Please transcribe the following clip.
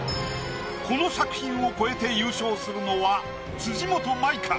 この作品を超えて優勝するのは辻元舞か？